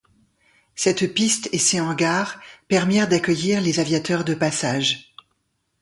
Cette piste et ces hangars permirent d’accueillir les aviateurs de passage.